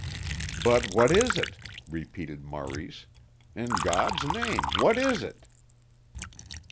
"But what is it?" repeated Maurice "in God's name, what is it?"